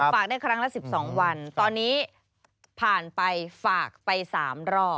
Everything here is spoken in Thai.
ฝากได้ครั้งละ๑๒วันตอนนี้ผ่านไปฝากไป๓รอบ